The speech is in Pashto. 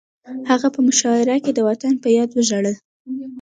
هغه په مشاعره کې د وطن په یاد وژړل